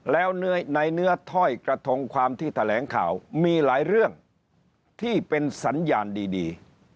แล้วในเนื้อถ้อยกระทงความที่แถลงข่าวมีหลายเรื่องที่เป็นสัญญาณดี